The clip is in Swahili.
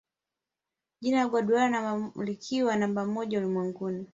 jina la guardiola likawa namba moja ulimwenguni